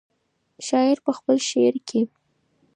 شاعر په خپل شعر کې.